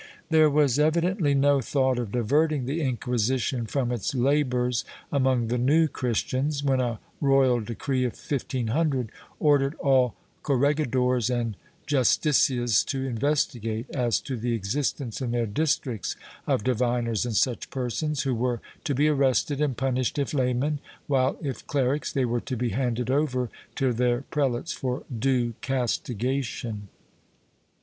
^ There was evi dently no thought of diverting the Inquisition from its labors among the New Christians, when a royal decree of 1500 ordered all corregidors and justicias to investigate as to the existence in their districts of diviners and such persons, who were to be arrested and punished if laymen, while if clerics they were to be handed over to their prelates for due castigation.